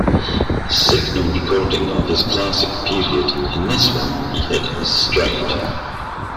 A signal recording of his "classic period", in this one he "hit his stride.